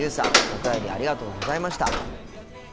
お便りありがとうございました。